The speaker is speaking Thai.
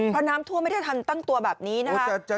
เพราะน้ำท่วมไม่ได้ทันตั้งตัวแบบนี้นะครับ